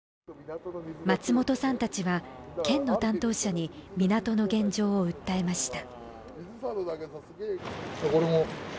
松本さんたちは県の担当者に港の現状を訴えました。